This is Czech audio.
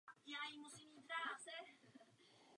Mohli bychom to dokonce nazvat porážkou.